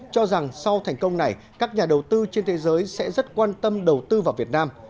cho rằng sau thành công này các nhà đầu tư trên thế giới sẽ rất quan tâm đầu tư vào việt nam